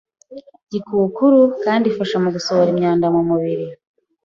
Gikukuru kandi ifasha mu gusohora imyanda mu mubiri,